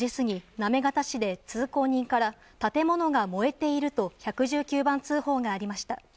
行方市で、通行人から建物が燃えていると１１９番通報がありました。